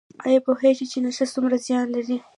ایا پوهیږئ چې نشه څومره زیان لري؟